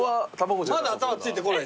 まだ頭ついてこない。